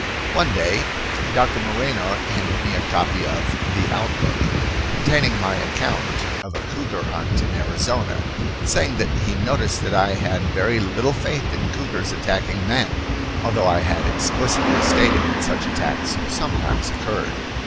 One day Doctor Moreno handed me a copy of The Outlook containing my account of a cougar hunt in Arizona, saying that he noticed that I had very little faith in cougars attacking men, although I had explicitly stated that such attacks sometimes occurred.